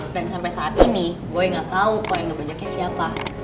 dan sampe saat ini boy gak tau kok yang dibajaknya siapa